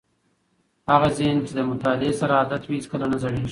هغه ذهن چې له مطالعې سره عادت وي هیڅکله نه زړېږي.